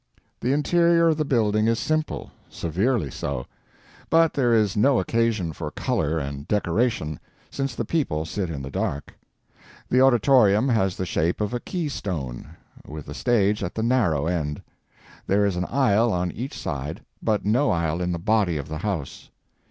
The interior of the building is simple—severely so; but there is no occasion for color and decoration, since the people sit in the dark. The auditorium has the shape of a keystone, with the stage at the narrow end. There is an aisle on each side, but no aisle in the body of the house.